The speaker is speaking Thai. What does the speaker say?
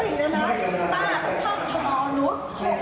ฮับมัวมาทำลีโยนให้มันไปถ้าโยนมาแล้วต้องให้ได้ยินเยอะอย่าง